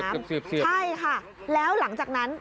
เกือบเสียบใช่ค่ะแล้วหลังจากนั้น